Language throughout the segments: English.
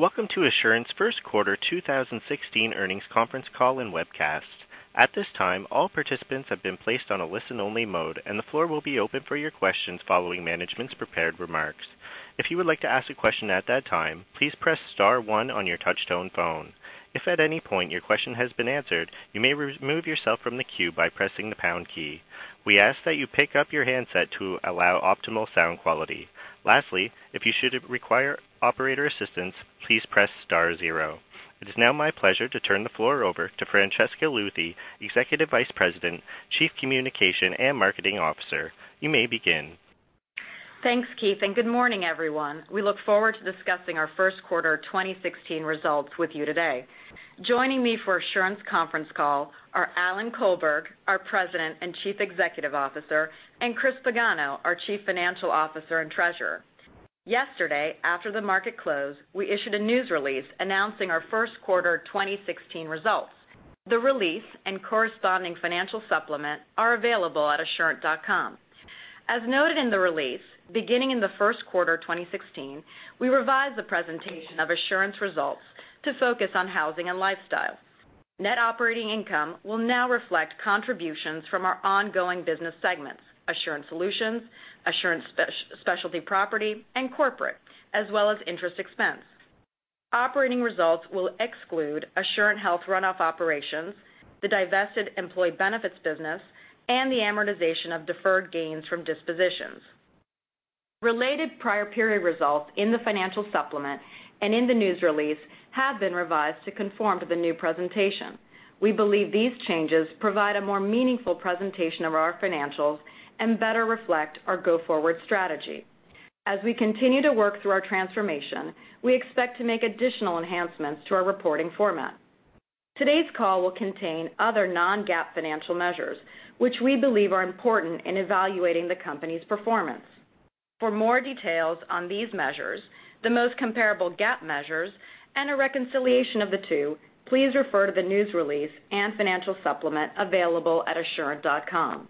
Welcome to Assurant's first quarter 2016 earnings conference call and webcast. At this time, all participants have been placed on a listen-only mode, and the floor will be open for your questions following management's prepared remarks. If you would like to ask a question at that time, please press star one on your touch-tone phone. If at any point your question has been answered, you may remove yourself from the queue by pressing the pound key. We ask that you pick up your handset to allow optimal sound quality. Lastly, if you should require operator assistance, please press star zero. It is now my pleasure to turn the floor over to Francesca Luthi, Executive Vice President, Chief Communication and Marketing Officer. You may begin. Thanks, Keith, and good morning, everyone. We look forward to discussing our first quarter 2016 results with you today. Joining me for Assurant's conference call are Alan Colberg, our President and Chief Executive Officer, and Chris Pagano, our Chief Financial Officer and Treasurer. Yesterday, after the market closed, we issued a news release announcing our first quarter 2016 results. The release and corresponding financial supplement are available at assurant.com. As noted in the release, beginning in the first quarter 2016, we revised the presentation of Assurant's results to focus on housing and lifestyle. Net operating income will now reflect contributions from our ongoing business segments, Assurant Solutions, Assurant Specialty Property, and Corporate, as well as interest expense. Operating results will exclude Assurant Health runoff operations, the divested Employee Benefits business, and the amortization of deferred gains from dispositions. Related prior period results in the financial supplement and in the news release have been revised to conform to the new presentation. We believe these changes provide a more meaningful presentation of our financials and better reflect our go-forward strategy. As we continue to work through our transformation, we expect to make additional enhancements to our reporting format. Today's call will contain other non-GAAP financial measures which we believe are important in evaluating the company's performance. For more details on these measures, the most comparable GAAP measures, and a reconciliation of the two, please refer to the news release and financial supplement available at assurant.com.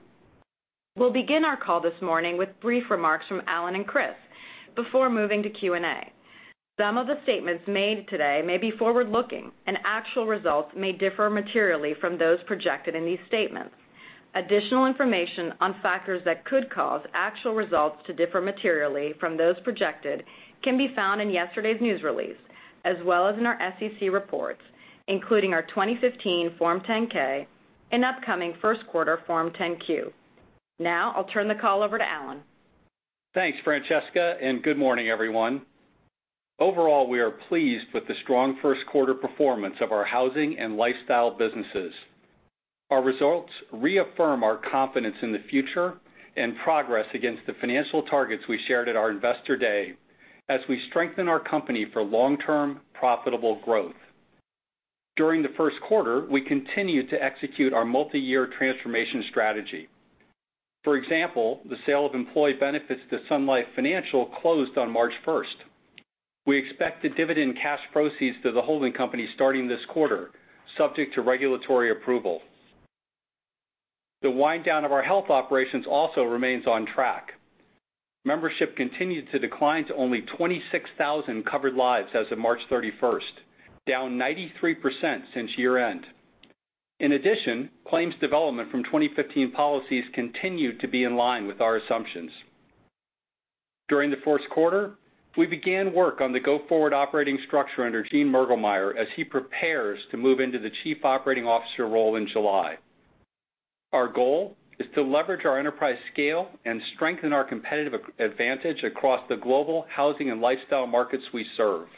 We'll begin our call this morning with brief remarks from Alan and Chris before moving to Q&A. Some of the statements made today may be forward-looking, and actual results may differ materially from those projected in these statements. Additional information on factors that could cause actual results to differ materially from those projected can be found in yesterday's news release, as well as in our SEC reports, including our 2015 Form 10-K and upcoming first quarter Form 10-Q. I'll turn the call over to Alan. Thanks, Francesca, and good morning, everyone. Overall, we are pleased with the strong first quarter performance of our housing and lifestyle businesses. Our results reaffirm our confidence in the future and progress against the financial targets we shared at our Investor Day, as we strengthen our company for long-term profitable growth. During the first quarter, we continued to execute our multi-year transformation strategy. For example, the sale of Employee Benefits to Sun Life Financial closed on March 1st. We expect the dividend cash proceeds to the holding company starting this quarter, subject to regulatory approval. The wind down of our health operations also remains on track. Membership continued to decline to only 26,000 covered lives as of March 31st, down 93% since year-end. In addition, claims development from 2015 policies continued to be in line with our assumptions. During the first quarter, we began work on the go-forward operating structure under Gene Mergelmeyer as he prepares to move into the Chief Operating Officer role in July. Our goal is to leverage our enterprise scale and strengthen our competitive advantage across the global housing and lifestyle markets we serve.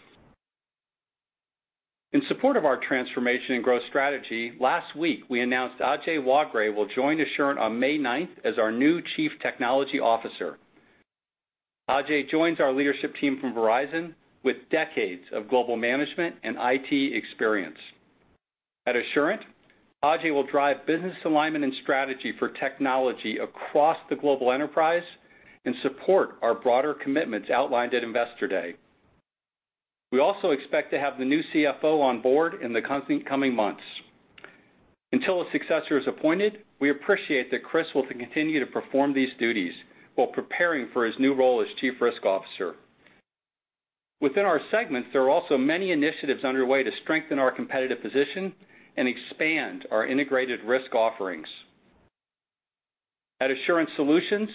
In support of our transformation and growth strategy, last week, we announced Ajay Waghray will join Assurant on May 9th as our new Chief Technology Officer. Ajay joins our leadership team from Verizon with decades of global management and IT experience. At Assurant, Ajay will drive business alignment and strategy for technology across the global enterprise and support our broader commitments outlined at Investor Day. We also expect to have the new CFO on board in the coming months. Until a successor is appointed, we appreciate that Chris will continue to perform these duties while preparing for his new role as Chief Risk Officer. Within our segments, there are also many initiatives underway to strengthen our competitive position and expand our integrated risk offerings. At Assurant Solutions,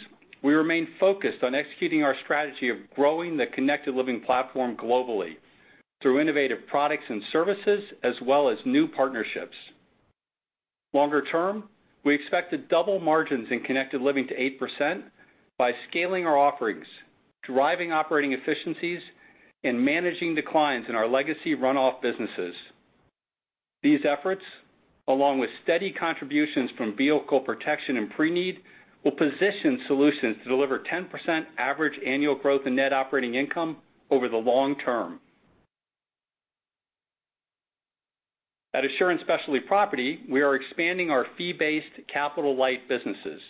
we remain focused on executing our strategy of growing the Connected Living platform globally through innovative products and services as well as new partnerships. Longer term, we expect to double margins in Connected Living to 8% by scaling our offerings, driving operating efficiencies, and managing declines in our legacy runoff businesses. These efforts, along with steady contributions from Vehicle Protection and Preneed, will position solutions to deliver 10% average annual growth in net operating income over the long term. At Assurant Specialty Property, we are expanding our fee-based capital-light businesses.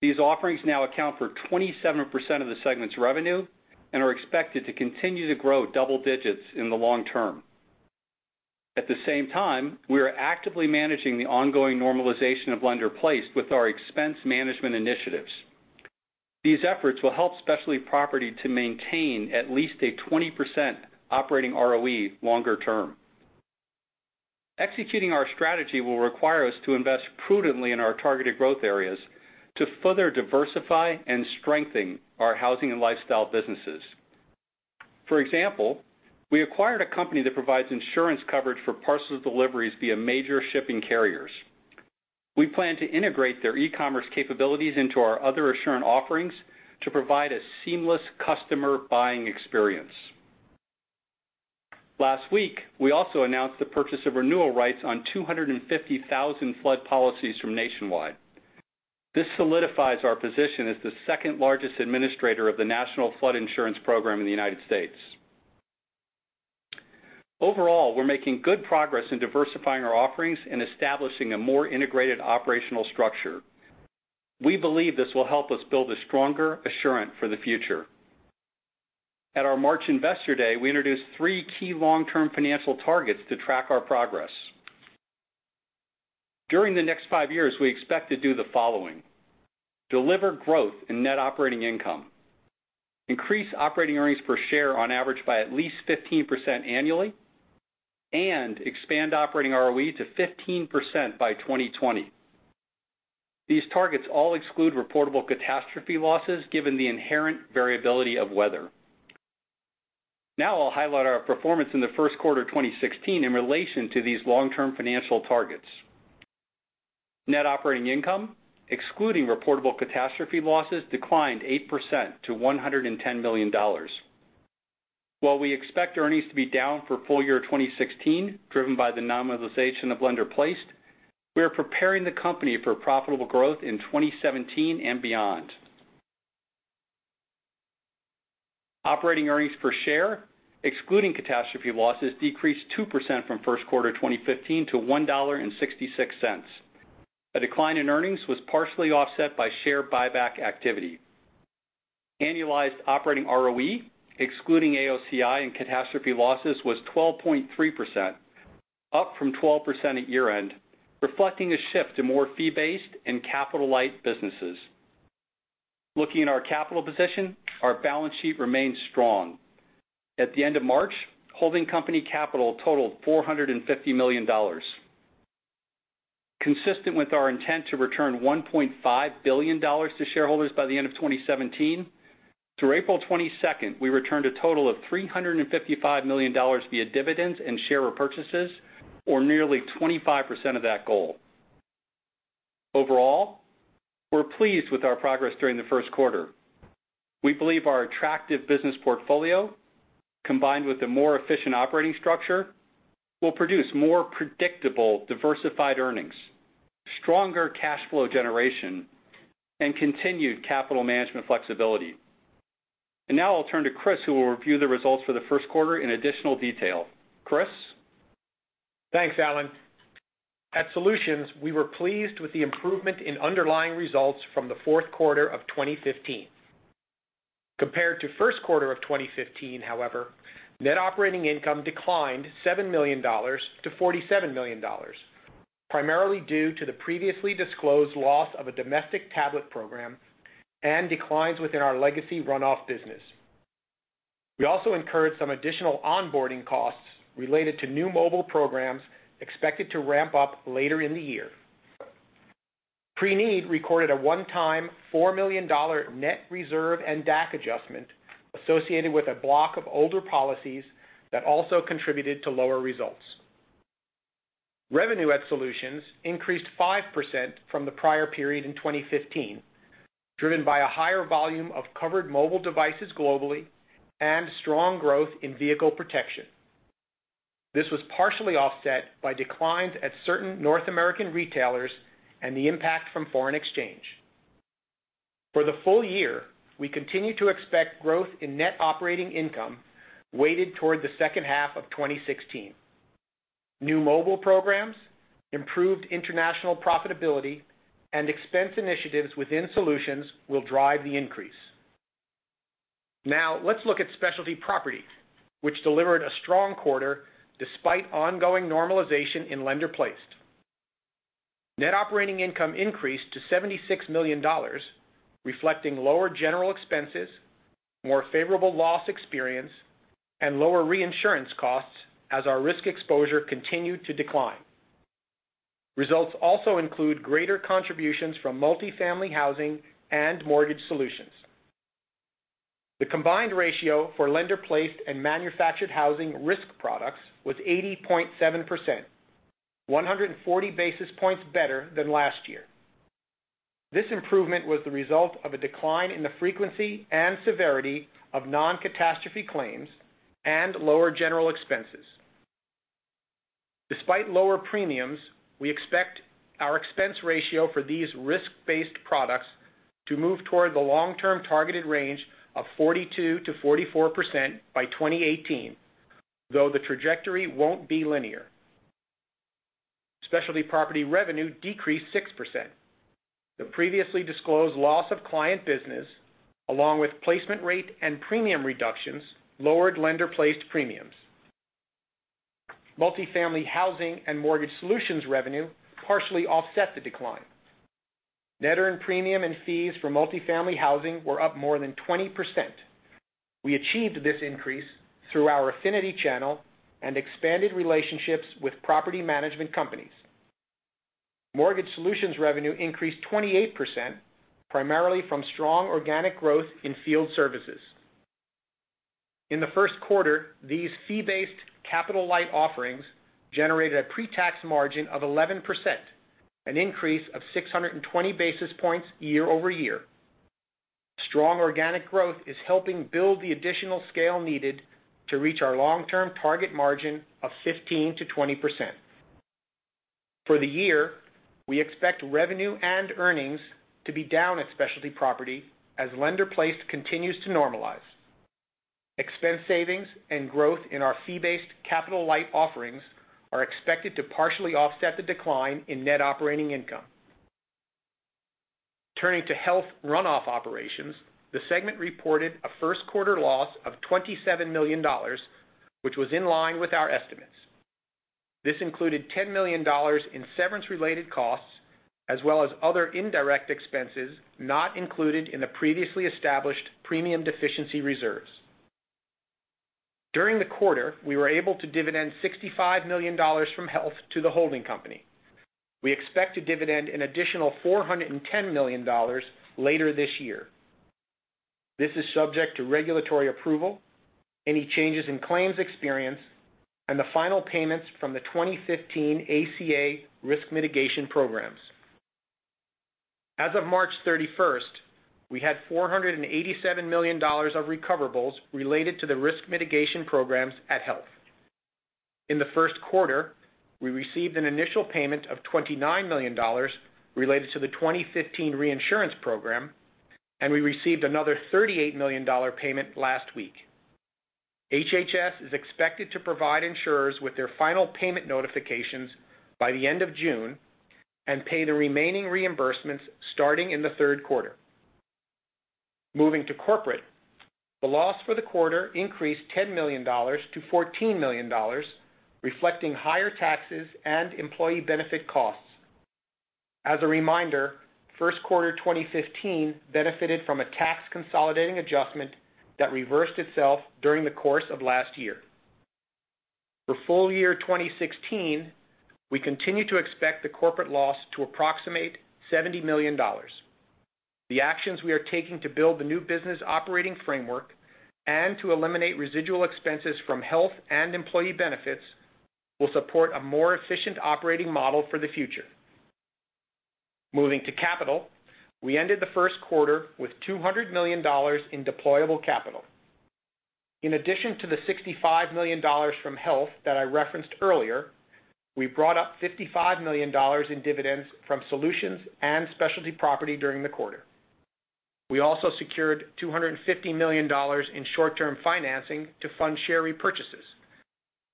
These offerings now account for 27% of the segment's revenue and are expected to continue to grow double digits in the long term. At the same time, we are actively managing the ongoing normalization of lender-placed with our expense management initiatives. These efforts will help specialty property to maintain at least a 20% operating ROE longer term. Executing our strategy will require us to invest prudently in our targeted growth areas to further diversify and strengthen our housing and lifestyle businesses. For example, we acquired a company that provides insurance coverage for parcel deliveries via major shipping carriers. We plan to integrate their e-commerce capabilities into our other Assurant offerings to provide a seamless customer buying experience. Last week, we also announced the purchase of renewal rights on 250,000 flood policies from Nationwide. This solidifies our position as the second-largest administrator of the National Flood Insurance Program in the U.S. Overall, we're making good progress in diversifying our offerings and establishing a more integrated operational structure. We believe this will help us build a stronger Assurant for the future. At our March Investor Day, we introduced three key long-term financial targets to track our progress. During the next five years, we expect to do the following: deliver growth in net operating income, increase operating earnings per share on average by at least 15% annually, and expand operating ROE to 15% by 2020. These targets all exclude reportable catastrophe losses given the inherent variability of weather. I'll highlight our performance in the first quarter 2016 in relation to these long-term financial targets. Net operating income, excluding reportable catastrophe losses, declined 8% to $110 million. While we expect earnings to be down for full year 2016, driven by the normalization of lender-placed, we are preparing the company for profitable growth in 2017 and beyond. Operating earnings per share, excluding catastrophe losses, decreased 2% from first quarter 2015 to $1.66. A decline in earnings was partially offset by share buyback activity. Annualized operating ROE, excluding AOCI and catastrophe losses, was 12.3%, up from 12% at year-end, reflecting a shift to more fee-based and capital-light businesses. Looking at our capital position, our balance sheet remains strong. At the end of March, holding company capital totaled $450 million. Consistent with our intent to return $1.5 billion to shareholders by the end of 2017, through April 22nd, we returned a total of $355 million via dividends and share repurchases, or nearly 25% of that goal. Overall, we're pleased with our progress during the first quarter. We believe our attractive business portfolio, combined with a more efficient operating structure, will produce more predictable, diversified earnings, stronger cash flow generation, and continued capital management flexibility. I'll turn to Chris, who will review the results for the first quarter in additional detail. Chris? Thanks, Alan. At Solutions, we were pleased with the improvement in underlying results from the fourth quarter of 2015. Compared to first quarter of 2015, however, net operating income declined $7 million to $47 million, primarily due to the previously disclosed loss of a domestic tablet program and declines within our legacy runoff business. We also incurred some additional onboarding costs related to new mobile programs expected to ramp up later in the year. Preneed recorded a one-time $4 million net reserve and DAC adjustment associated with a block of older policies that also contributed to lower results. Revenue at Solutions increased 5% from the prior period in 2015, driven by a higher volume of covered mobile devices globally and strong growth in Vehicle Protection. This was partially offset by declines at certain North American retailers and the impact from foreign exchange. For the full year, we continue to expect growth in net operating income weighted toward the second half of 2016. New mobile programs, improved international profitability, and expense initiatives within Solutions will drive the increase. Now let's look at Specialty Property, which delivered a strong quarter despite ongoing normalization in lender-placed. Net operating income increased to $76 million, reflecting lower general expenses, more favorable loss experience, and lower reinsurance costs as our risk exposure continued to decline. Results also include greater contributions from multifamily housing and mortgage solutions. The combined ratio for lender-placed and manufactured housing risk products was 80.7%, 140 basis points better than last year. This improvement was the result of a decline in the frequency and severity of non-catastrophe claims and lower general expenses. Despite lower premiums, we expect our expense ratio for these risk-based products to move toward the long-term targeted range of 42%-44% by 2018, though the trajectory won't be linear. Specialty Property revenue decreased 6%. The previously disclosed loss of client business, along with placement rate and premium reductions, lowered lender-placed premiums. Multifamily housing and mortgage solutions revenue partially offset the decline. Net earned premium and fees for multifamily housing were up more than 20%. We achieved this increase through our affinity channel and expanded relationships with property management companies. Mortgage solutions revenue increased 28%, primarily from strong organic growth in field services. In the first quarter, these fee-based capital-light offerings generated a pre-tax margin of 11%, an increase of 620 basis points year-over-year. Strong organic growth is helping build the additional scale needed to reach our long-term target margin of 15%-20%. For the year, we expect revenue and earnings to be down at Specialty Property as lender-placed continues to normalize. Expense savings and growth in our fee-based capital-light offerings are expected to partially offset the decline in net operating income. Turning to health runoff operations, the segment reported a first quarter loss of $27 million, which was in line with our estimates. This included $10 million in severance-related costs, as well as other indirect expenses not included in the previously established premium deficiency reserves. During the quarter, we were able to dividend $65 million from Health to the holding company. We expect to dividend an additional $410 million later this year. This is subject to regulatory approval, any changes in claims experience, and the final payments from the 2015 ACA risk mitigation programs. As of March 31st, we had $487 million of recoverables related to the risk mitigation programs at Health. In the first quarter, we received an initial payment of $29 million related to the 2015 reinsurance program, and we received another $38 million payment last week. HHS is expected to provide insurers with their final payment notifications by the end of June and pay the remaining reimbursements starting in the third quarter. Moving to corporate. The loss for the quarter increased $10 million to $14 million, reflecting higher taxes and employee benefit costs. As a reminder, first quarter 2015 benefited from a tax consolidating adjustment that reversed itself during the course of last year. For full year 2016, we continue to expect the corporate loss to approximate $70 million. The actions we are taking to build the new business operating framework and to eliminate residual expenses from Health and Employee Benefits will support a more efficient operating model for the future. Moving to capital, we ended the first quarter with $200 million in deployable capital. In addition to the $65 million from Health that I referenced earlier, we brought up $55 million in dividends from Solutions and Specialty Property during the quarter. We also secured $250 million in short-term financing to fund share repurchases.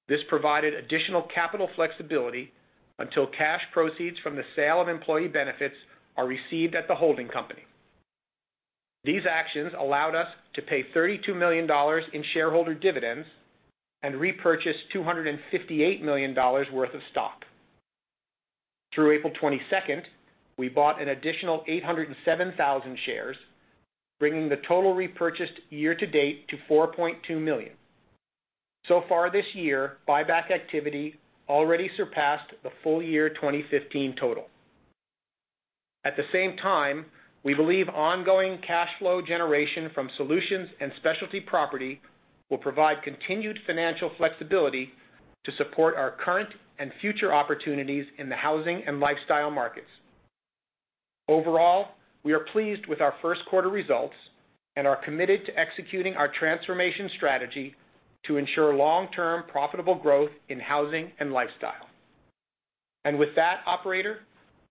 This provided additional capital flexibility until cash proceeds from the sale of Employee Benefits are received at the holding company. These actions allowed us to pay $32 million in shareholder dividends and repurchase $258 million worth of stock. Through April 22nd, we bought an additional 807,000 shares, bringing the total repurchased year to date to 4.2 million. Far this year, buyback activity already surpassed the full year 2015 total. At the same time, we believe ongoing cash flow generation from Solutions and Specialty Property will provide continued financial flexibility to support our current and future opportunities in the housing and lifestyle markets. Overall, we are pleased with our first quarter results and are committed to executing our transformation strategy to ensure long-term profitable growth in housing and lifestyle. With that, operator,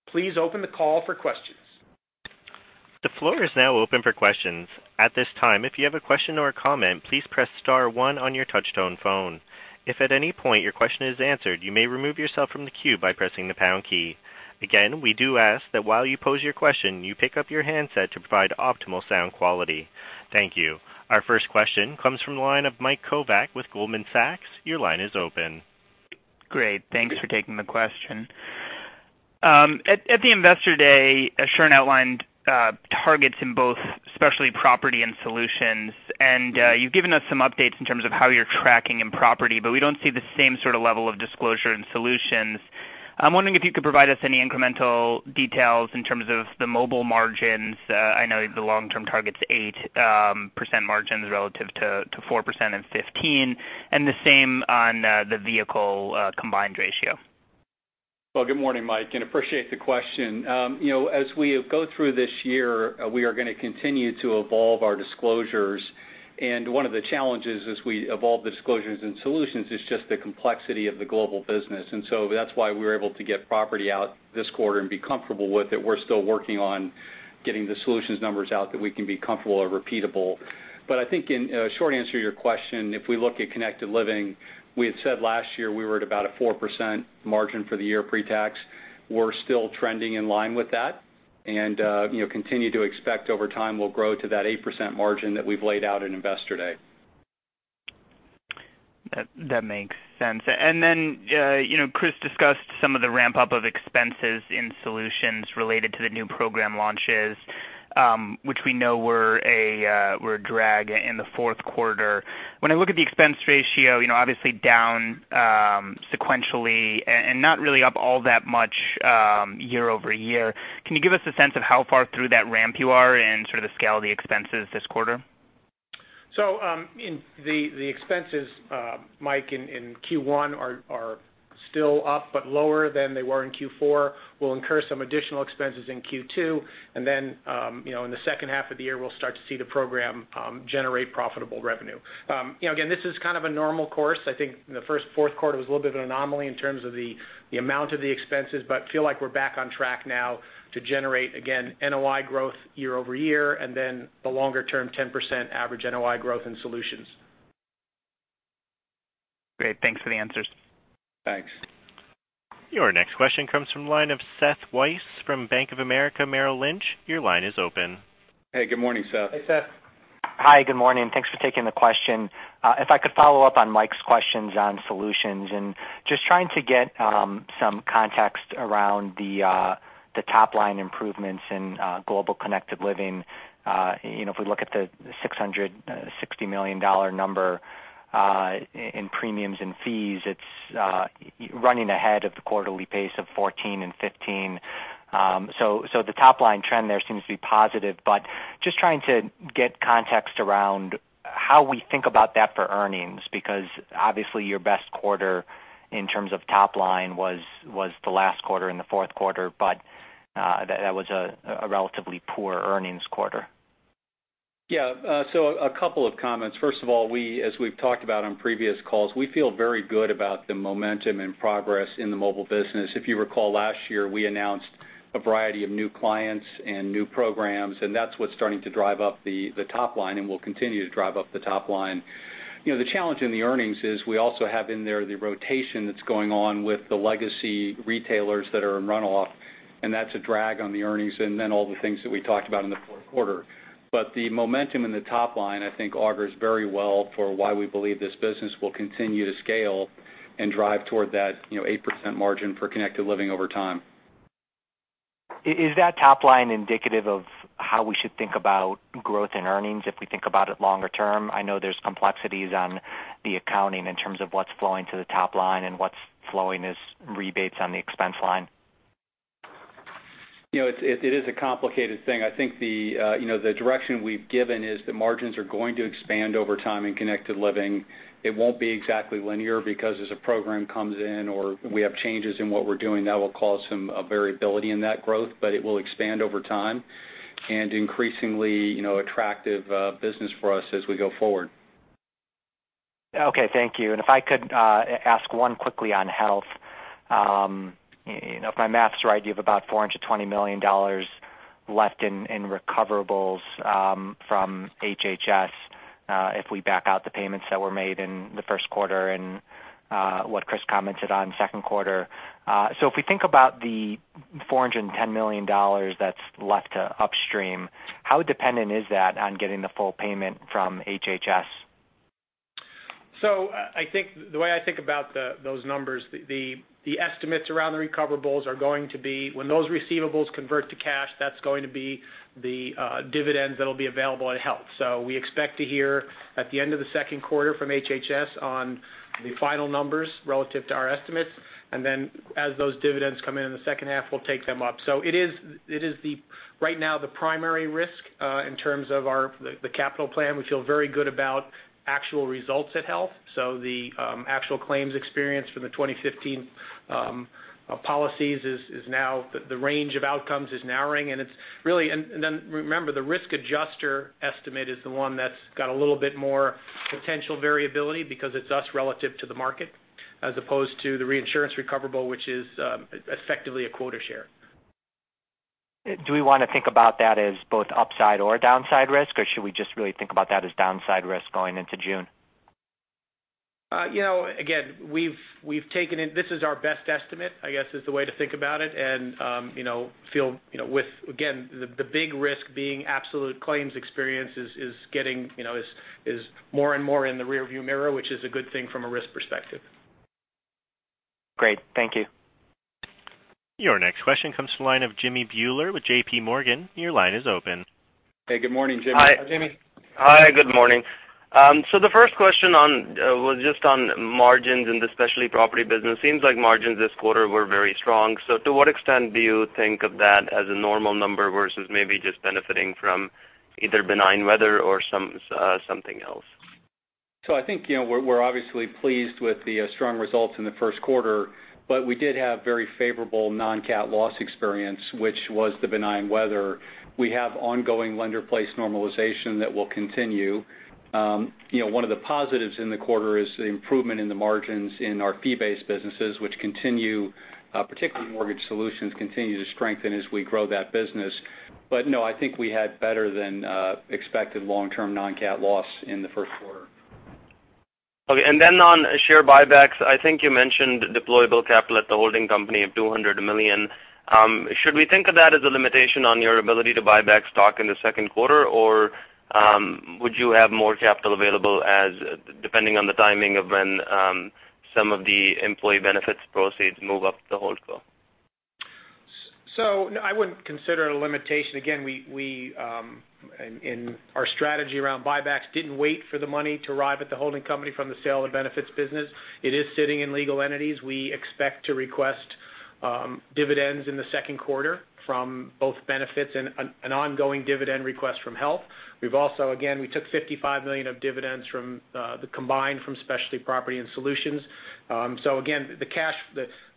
please open the call for questions. The floor is now open for questions. At this time, if you have a question or a comment, please press star one on your touch-tone phone. If at any point your question is answered, you may remove yourself from the queue by pressing the pound key. Again, we do ask that while you pose your question, you pick up your handset to provide optimal sound quality. Thank you. Our first question comes from the line of Mike Kovac with Goldman Sachs. Your line is open. Great. Thanks for taking the question. At the Investor Day, Assurant outlined targets in both Specialty Property and Solutions. You've given us some updates in terms of how you're tracking in Property, but we don't see the same sort of level of disclosure in Solutions. I'm wondering if you could provide us any incremental details in terms of the mobile margins. I know the long-term target's 8% margins relative to 4% in 2015, and the same on the vehicle combined ratio. Well, good morning, Mike, and appreciate the question. As we go through this year, we are going to continue to evolve our disclosures. One of the challenges as we evolve the disclosures and Assurant Solutions is just the complexity of the global business. That's why we were able to get property out this quarter and be comfortable with it. We're still working on getting the Assurant Solutions numbers out that we can be comfortable are repeatable. I think in short answer to your question, if we look at Connected Living, we had said last year we were at about a 4% margin for the year pre-tax. We're still trending in line with that and continue to expect over time we'll grow to that 8% margin that we've laid out in Investor Day. That makes sense. Chris discussed some of the ramp-up of expenses in Assurant Solutions related to the new program launches, which we know were a drag in the fourth quarter. When I look at the expense ratio, obviously down sequentially and not really up all that much year-over-year, can you give us a sense of how far through that ramp you are and sort of the scale of the expenses this quarter? The expenses, Mike, in Q1 are still up but lower than they were in Q4. We'll incur some additional expenses in Q2, and then in the second half of the year, we'll start to see the program generate profitable revenue. Again, this is kind of a normal course. I think the first, fourth quarter was a little bit of an anomaly in terms of the amount of the expenses, but feel like we're back on track now to generate, again, NOI growth year-over-year, and then the longer-term 10% average NOI growth in Assurant Solutions. Great. Thanks for the answers. Thanks. Your next question comes from the line of Seth Weiss from Bank of America Merrill Lynch. Your line is open. Hey, good morning, Seth. Hey, Seth. Hi, good morning. Thanks for taking the question. If I could follow up on Mike's questions on Assurant Solutions and just trying to get some context around the top-line improvements in Global Connected Living. If we look at the $660 million number in premiums and fees, it's running ahead of the quarterly pace of 2014 and 2015. The top-line trend there seems to be positive, but just trying to get context around how we think about that for earnings, because obviously your best quarter in terms of top line was the last quarter in the fourth quarter, but that was a relatively poor earnings quarter. Yeah. A couple of comments. First of all, as we've talked about on previous calls, we feel very good about the momentum and progress in the mobile business. If you recall, last year we announced a variety of new clients and new programs, and that's what's starting to drive up the top line and will continue to drive up the top line. The challenge in the earnings is we also have in there the rotation that's going on with the legacy retailers that are in runoff, and that's a drag on the earnings, and then all the things that we talked about in the fourth quarter. The momentum in the top line, I think, augurs very well for why we believe this business will continue to scale and drive toward that 8% margin for Connected Living over time. Is that top line indicative of how we should think about growth in earnings if we think about it longer term? I know there's complexities on the accounting in terms of what's flowing to the top line and what's flowing as rebates on the expense line. It is a complicated thing. I think the direction we've given is that margins are going to expand over time in Connected Living. It won't be exactly linear because as a program comes in or we have changes in what we're doing, that will cause some variability in that growth, but it will expand over time and increasingly attractive business for us as we go forward. Okay, thank you. If I could ask one quickly on Health. If my math's right, you have about $420 million left in recoverables from HHS, if we back out the payments that were made in the first quarter and what Chris commented on second quarter. If we think about the $410 million that's left to upstream, how dependent is that on getting the full payment from HHS? The way I think about those numbers, the estimates around the recoverables are going to be when those receivables convert to cash, that's going to be the dividends that'll be available at Health. We expect to hear at the end of the second quarter from HHS on the final numbers relative to our estimates. As those dividends come in in the second half, we'll take them up. It is right now the primary risk in terms of the capital plan. We feel very good about actual results at Health. The actual claims experience for the 2015 policies is now the range of outcomes is narrowing, remember, the risk adjuster estimate is the one that's got a little bit more potential variability because it's us relative to the market, as opposed to the reinsurance recoverable, which is effectively a quota share. Do we want to think about that as both upside or downside risk, or should we just really think about that as downside risk going into June? Again, this is our best estimate, I guess, is the way to think about it and feel with, again, the big risk being absolute claims experience is more and more in the rear view mirror, which is a good thing from a risk perspective. Great. Thank you. Your next question comes from the line of Jimmy Bhullar with JPMorgan. Your line is open. Hey, good morning, Jimmy. Hi, Jimmy. Hi. Good morning. The first question was just on margins in the Specialty Property business. Seems like margins this quarter were very strong. To what extent do you think of that as a normal number versus maybe just benefiting from either benign weather or something else? I think we're obviously pleased with the strong results in the first quarter, we did have very favorable non-cat loss experience, which was the benign weather. We have ongoing lender-placed normalization that will continue. One of the positives in the quarter is the improvement in the margins in our fee-based businesses, which continue, particularly mortgage solutions continue to strengthen as we grow that business. No, I think we had better than expected long-term non-cat loss in the first quarter. Okay. Then on share buybacks, I think you mentioned deployable capital at the holding company of $200 million. Should we think of that as a limitation on your ability to buy back stock in the second quarter? Would you have more capital available depending on the timing of when some of the Employee Benefits proceeds move up the holdco? I wouldn't consider it a limitation. Again, in our strategy around buybacks, didn't wait for the money to arrive at the holding company from the sale of Benefits business. It is sitting in legal entities. We expect to request dividends in the second quarter from both Benefits and an ongoing dividend request from Health. We've also, again, we took $55 million of dividends combined from Specialty Property and Solutions. Again,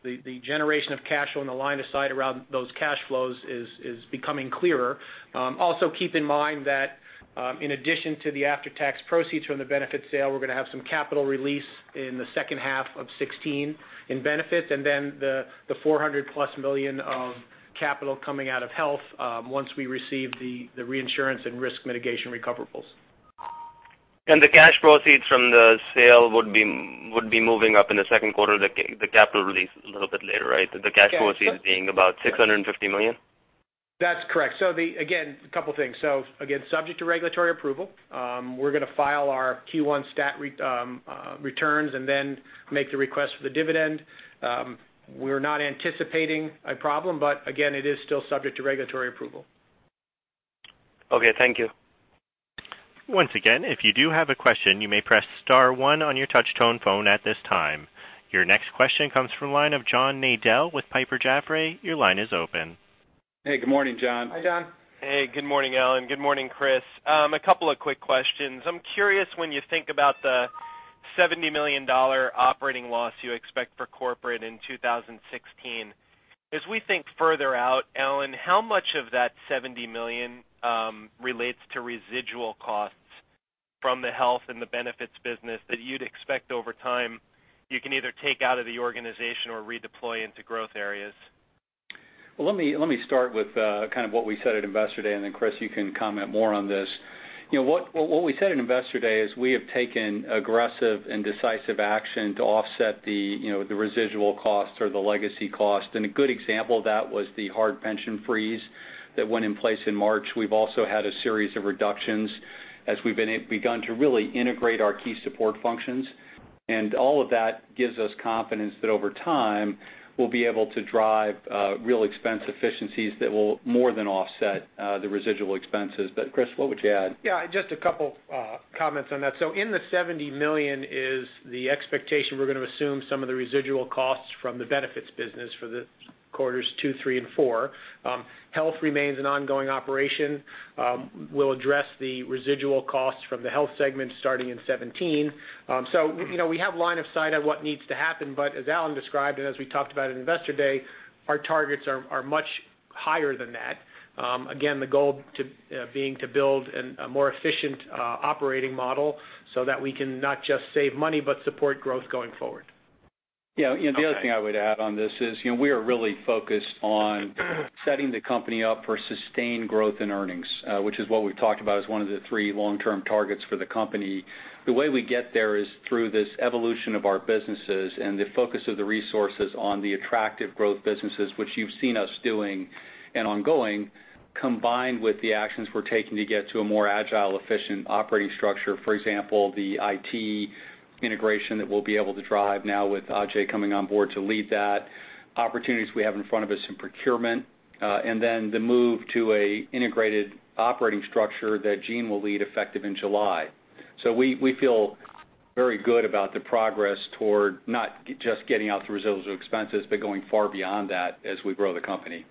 the generation of cash on the line of sight around those cash flows is becoming clearer. Also keep in mind that, in addition to the after-tax proceeds from the Benefits sale, we're going to have some capital release in the second half of 2016 in Benefits, and then the $400-plus million of capital coming out of Health once we receive the reinsurance and risk mitigation recoverables. The cash proceeds from the sale would be moving up in the second quarter, the capital release is a little bit later, right? The cash proceeds being about $650 million. That's correct. Again, a couple things. Again, subject to regulatory approval, we're going to file our Q1 statutory returns and then make the request for the dividend. We're not anticipating a problem, but again, it is still subject to regulatory approval. Okay, thank you. Once again, if you do have a question, you may press star one on your touch tone phone at this time. Your next question comes from the line of John Nadel with Piper Jaffray. Your line is open. Hey, good morning, John. Hi, John. Hey, good morning, Alan. Good morning, Chris. A couple of quick questions. I'm curious when you think about the $70 million operating loss you expect for corporate in 2016. As we think further out, Alan, how much of that $70 million relates to residual costs from the health and the benefits business that you'd expect over time you can either take out of the organization or redeploy into growth areas? Well, let me start with kind of what we said at Investor Day, and then Chris, you can comment more on this. What we said at Investor Day is we have taken aggressive and decisive action to offset the residual cost or the legacy cost, and a good example of that was the hard pension freeze that went in place in March. We've also had a series of reductions as we've begun to really integrate our key support functions. All of that gives us confidence that over time, we'll be able to drive real expense efficiencies that will more than offset the residual expenses. Chris, what would you add? just a couple comments on that. In the $70 million is the expectation we're going to assume some of the residual costs from the Employee Benefits business for the quarters 2, 3, and 4. Assurant Health remains an ongoing operation. We'll address the residual costs from the Assurant Health segment starting in 2017. We have line of sight of what needs to happen, but as Alan described and as we talked about at Investor Day, our targets are much higher than that. Again, the goal being to build a more efficient operating model so that we can not just save money, but support growth going forward. The other thing I would add on this is we are really focused on setting the company up for sustained growth in earnings, which is what we've talked about as one of the three long-term targets for the company. The way we get there is through this evolution of our businesses and the focus of the resources on the attractive growth businesses, which you've seen us doing and ongoing, combined with the actions we're taking to get to a more agile, efficient operating structure. For example, the IT integration that we'll be able to drive now with Ajay coming on board to lead that, opportunities we have in front of us in procurement, and the move to an integrated operating structure that Gene will lead effective in July. We feel very good about the progress toward not just getting out the residual expenses, but going far beyond that as we grow the company.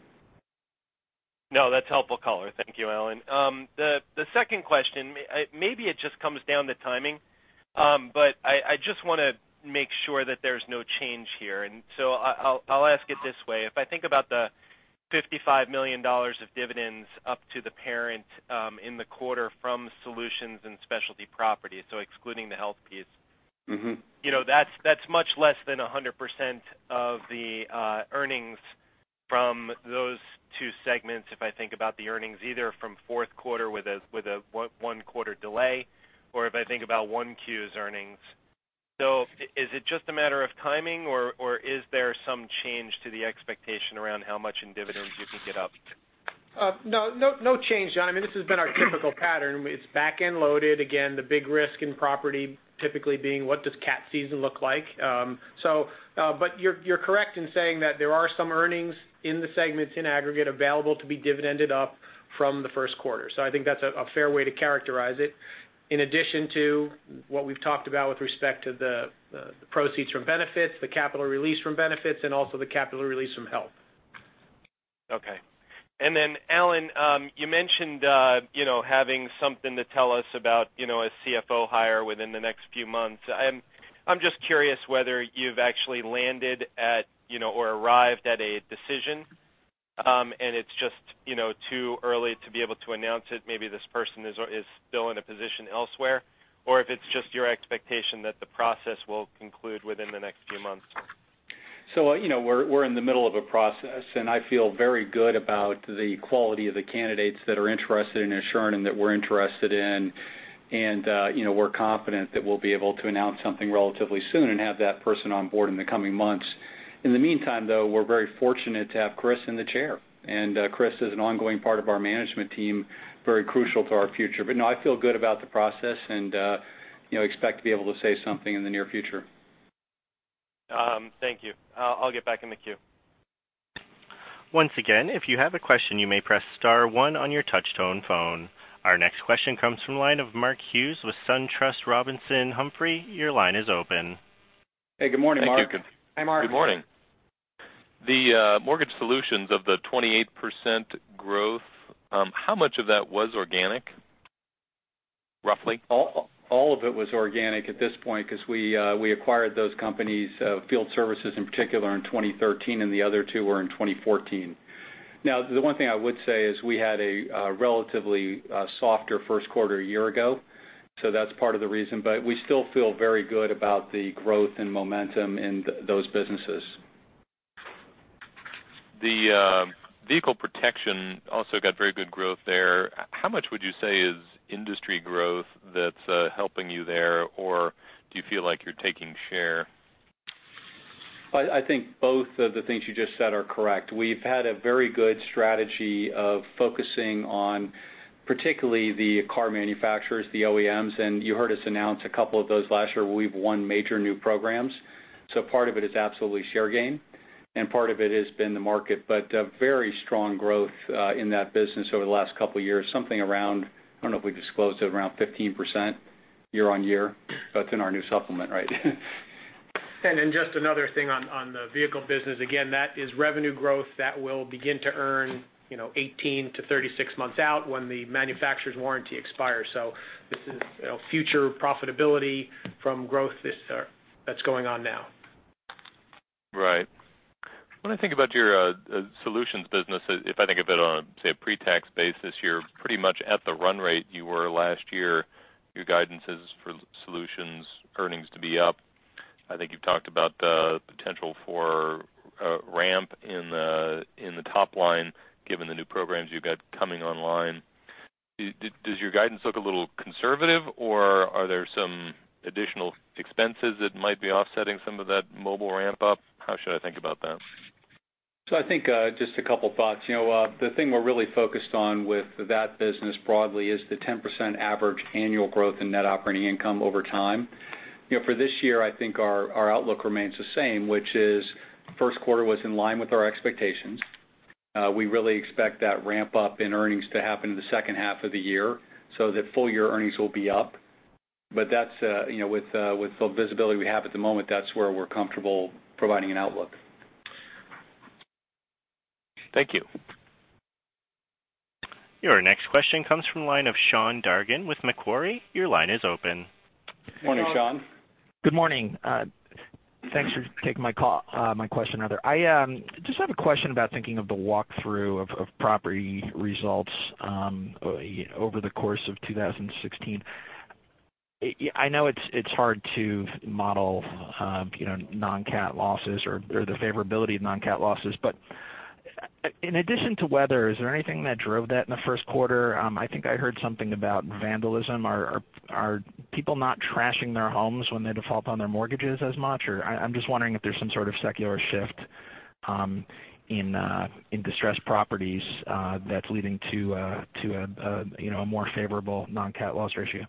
No, that's helpful color. Thank you, Alan. The second question, maybe it just comes down to timing, but I just want to make sure that there's no change here. I'll ask it this way. If I think about the $55 million of dividends up to the parent in the quarter from Assurant Solutions and Assurant Specialty Property, excluding the Assurant Health piece. That's much less than 100% of the earnings from those two segments, if I think about the earnings either from fourth quarter with a one-quarter delay, or if I think about one Q's earnings. Is it just a matter of timing, or is there some change to the expectation around how much in dividends you can get up? No change, John. This has been our typical pattern. It's back-end loaded. Again, the big risk in property typically being, what does cat season look like? You're correct in saying that there are some earnings in the segments in aggregate available to be dividended up from the first quarter. I think that's a fair way to characterize it, in addition to what we've talked about with respect to the proceeds from benefits, the capital release from benefits, and also the capital release from health. Okay. Alan, you mentioned having something to tell us about a CFO hire within the next few months. I'm just curious whether you've actually landed at or arrived at a decision, and it's just too early to be able to announce it. Maybe this person is still in a position elsewhere, or if it's just your expectation that the process will conclude within the next few months. We're in the middle of a process, and I feel very good about the quality of the candidates that are interested in Assurant, and that we're interested in. We're confident that we'll be able to announce something relatively soon and have that person on board in the coming months. In the meantime, though, we're very fortunate to have Chris in the chair. Chris is an ongoing part of our management team, very crucial to our future. No, I feel good about the process and expect to be able to say something in the near future. Thank you. I'll get back in the queue. Once again, if you have a question, you may press star one on your touch-tone phone. Our next question comes from the line of Mark Hughes with SunTrust Robinson Humphrey. Your line is open. Hey, good morning, Mark. Thank you. Hi, Mark. Good morning. The mortgage solutions of the 28% growth, how much of that was organic, roughly? All of it was organic at this point because we acquired those companies, field services in particular, in 2013, and the other two were in 2014. The one thing I would say is we had a relatively softer first quarter a year ago, so that's part of the reason, but we still feel very good about the growth and momentum in those businesses. The Vehicle Protection also got very good growth there. How much would you say is industry growth that's helping you there, or do you feel like you're taking share? I think both of the things you just said are correct. We've had a very good strategy of focusing on particularly the car manufacturers, the OEMs, and you heard us announce a couple of those last year where we've won major new programs. Part of it is absolutely share gain, and part of it has been the market, but very strong growth in that business over the last couple of years, something around, I don't know if we disclosed it, around 15% year on year. That's in our new supplement, right? Just another thing on the vehicle business. Again, that is revenue growth that will begin to earn 18 to 36 months out when the manufacturer's warranty expires. This is future profitability from growth that's going on now. Right. When I think about your Solutions business, if I think of it on, say, a pre-tax basis, you're pretty much at the run rate you were last year. Your guidance is for Solutions earnings to be up. I think you've talked about the potential for a ramp in the top line, given the new programs you've got coming online. Does your guidance look a little conservative, or are there some additional expenses that might be offsetting some of that mobile ramp-up? How should I think about that? I think just a couple thoughts. The thing we're really focused on with that business broadly is the 10% average annual growth in net operating income over time. For this year, I think our outlook remains the same, which is first quarter was in line with our expectations. We really expect that ramp-up in earnings to happen in the second half of the year so that full-year earnings will be up. With the visibility we have at the moment, that's where we're comfortable providing an outlook. Thank you. Your next question comes from the line of Sean Dargan with Macquarie. Your line is open. Morning, Sean. Good morning. Thanks for taking my question. I just have a question about thinking of the walkthrough of property results over the course of 2016. I know it's hard to model non-cat losses or the favorability of non-cat losses, but in addition to weather, is there anything that drove that in the first quarter? I think I heard something about vandalism. Are people not trashing their homes when they default on their mortgages as much? I'm just wondering if there's some sort of secular shift in distressed properties that's leading to a more favorable non-cat loss ratio.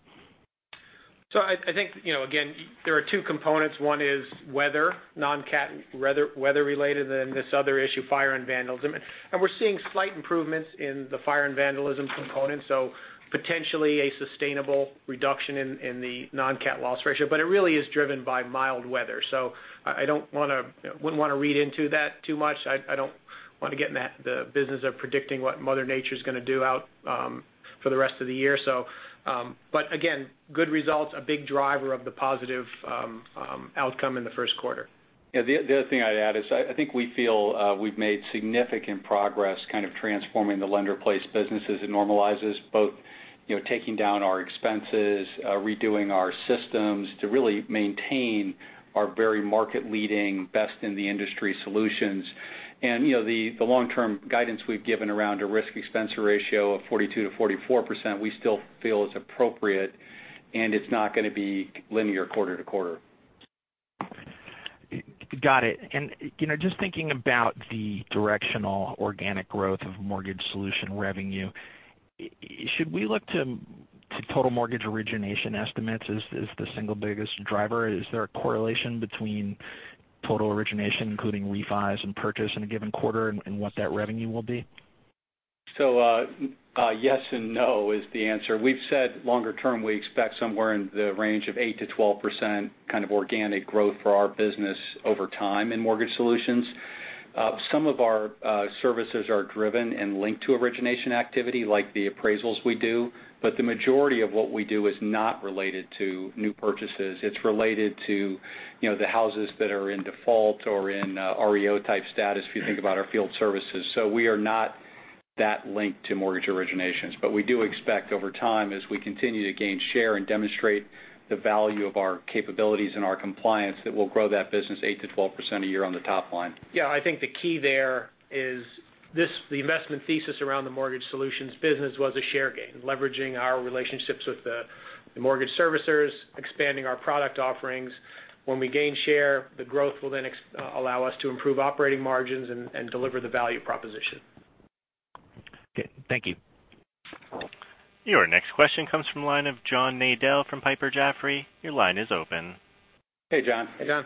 I think, again, there are two components. One is weather, non-cat, weather related, this other issue, fire and vandalism. We're seeing slight improvements in the fire and vandalism component, so potentially a sustainable reduction in the non-cat loss ratio. It really is driven by mild weather. I wouldn't want to read into that too much. I don't want to get in the business of predicting what Mother Nature's going to do out for the rest of the year. Again, good results, a big driver of the positive outcome in the first quarter. The other thing I'd add is I think we feel we've made significant progress kind of transforming the lender-placed businesses. It normalizes both taking down our expenses, redoing our systems to really maintain our very market-leading, best in the industry solutions. The long-term guidance we've given around a risk-expense ratio of 42%-44%, we still feel is appropriate, and it's not going to be linear quarter-to-quarter. Got it. Just thinking about the directional organic growth of mortgage solutions revenue, should we look to total mortgage origination estimates as the single biggest driver? Is there a correlation between total origination, including refis and purchase in a given quarter, and what that revenue will be? Yes and no is the answer. We've said longer term, we expect somewhere in the range of 8%-12% kind of organic growth for our business over time in mortgage solutions. Some of our services are driven and linked to origination activity, like the appraisals we do. The majority of what we do is not related to new purchases. It's related to the houses that are in default or in REO type status, if you think about our field services. We are not That link to mortgage originations. We do expect over time, as we continue to gain share and demonstrate the value of our capabilities and our compliance, that we'll grow that business 8%-12% a year on the top line. Yeah, I think the key there is the investment thesis around the mortgage solutions business was a share gain, leveraging our relationships with the mortgage servicers, expanding our product offerings. When we gain share, the growth will then allow us to improve operating margins and deliver the value proposition. Okay, thank you. Your next question comes from the line of John Nadel from Piper Jaffray. Your line is open. Hey, John. Hey, John.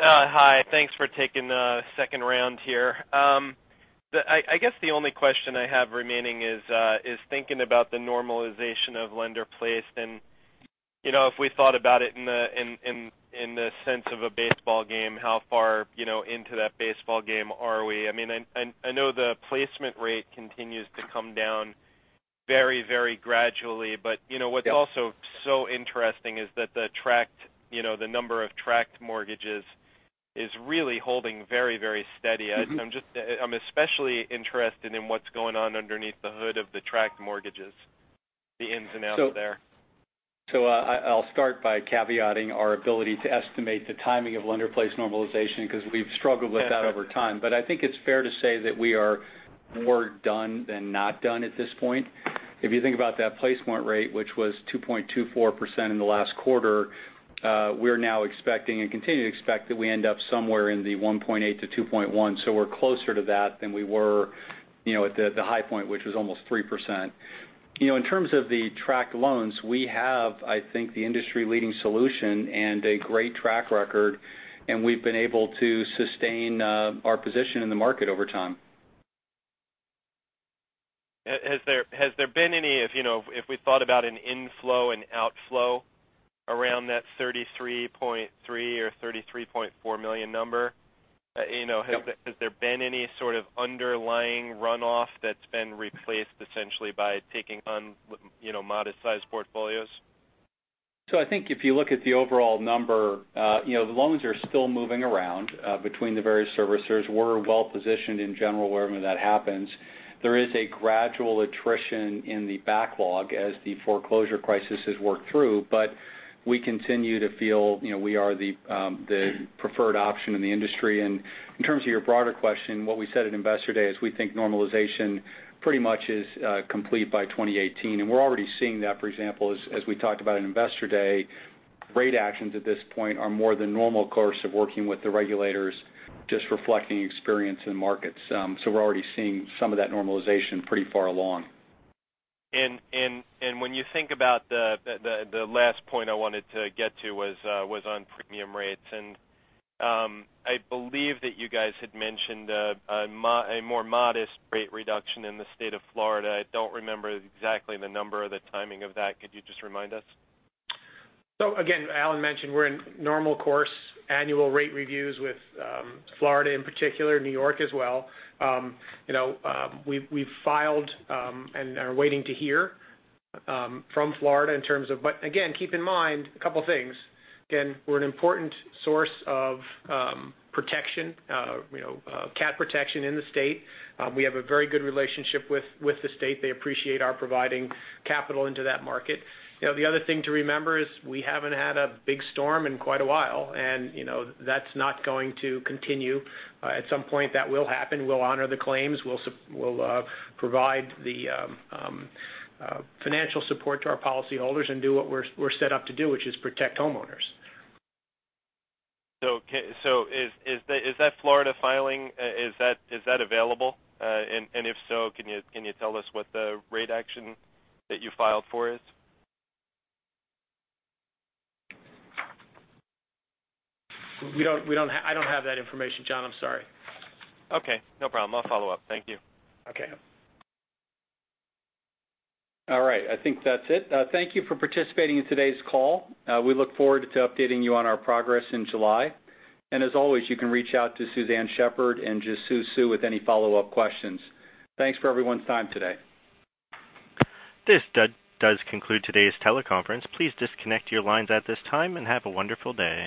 Hi. Thanks for taking a second round here. I guess the only question I have remaining is thinking about the normalization of lender-placed. If we thought about it in the sense of a baseball game, how far into that baseball game are we? I know the placement rate continues to come down very gradually. What's also so interesting is that the number of tracked mortgages is really holding very steady. I'm especially interested in what's going on underneath the hood of the tracked mortgages, the ins and outs there. I'll start by caveating our ability to estimate the timing of lender-placed normalization, because we've struggled with that over time. I think it's fair to say that we are more done than not done at this point. If you think about that placement rate, which was 2.24% in the last quarter, we're now expecting and continue to expect that we end up somewhere in the 1.8%-2.1%. We're closer to that than we were at the high point, which was almost 3%. In terms of the tracked loans, we have, I think, the industry-leading solution and a great track record, and we've been able to sustain our position in the market over time. Has there been any, if we thought about an inflow and outflow around that 33.3 or 33.4 million number- Yep Has there been any sort of underlying runoff that's been replaced essentially by taking on modest-sized portfolios? I think if you look at the overall number, the loans are still moving around between the various servicers. We're well-positioned in general, wherever that happens. There is a gradual attrition in the backlog as the foreclosure crisis is worked through. We continue to feel we are the preferred option in the industry. In terms of your broader question, what we said at Investor Day is we think normalization pretty much is complete by 2018. We're already seeing that, for example, as we talked about at Investor Day, rate actions at this point are more the normal course of working with the regulators, just reflecting experience in markets. We're already seeing some of that normalization pretty far along. When you think about the last point I wanted to get to was on premium rates, I believe that you guys had mentioned a more modest rate reduction in the state of Florida. I don't remember exactly the number or the timing of that. Could you just remind us? Again, Alan mentioned we're in normal course annual rate reviews with Florida in particular, New York as well. We've filed and are waiting to hear from Florida. Again, keep in mind a couple of things. Again, we're an important source of protection, cat protection in the state. We have a very good relationship with the state. They appreciate our providing capital into that market. The other thing to remember is we haven't had a big storm in quite a while, that's not going to continue. At some point, that will happen. We'll honor the claims. We'll provide the financial support to our policyholders and do what we're set up to do, which is protect homeowners. Is that Florida filing, is that available? If so, can you tell us what the rate action that you filed for is? I don't have that information, John. I'm sorry. Okay, no problem. I'll follow up. Thank you. Okay. All right. I think that's it. Thank you for participating in today's call. We look forward to updating you on our progress in July. As always, you can reach out to Suzanne Shepherd and Jisoo Suh with any follow-up questions. Thanks for everyone's time today. This does conclude today's teleconference. Please disconnect your lines at this time and have a wonderful day.